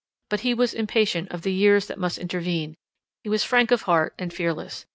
But he was impatient of the years that must intervene, he was frank of heart and fearless.